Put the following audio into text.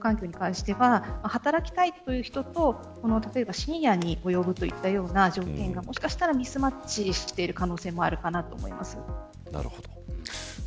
飲食業の労働環境に関しては働きたいという人と深夜に及ぶといった条件がもしかしたらミスマッチしている可能性もあると思います。